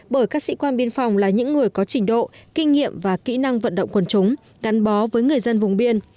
bởi các sĩ quan biên phòng là những người có trình độ kinh nghiệm và kỹ năng vận động quần chúng gắn bó với người dân vùng biên